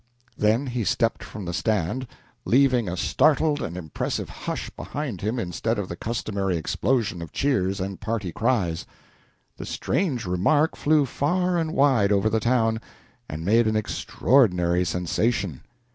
Then he stepped from the stand, leaving a startled and impressive hush behind him instead of the customary explosion of cheers and party cries. The strange remark flew far and wide over the town and made an extraordinary sensation.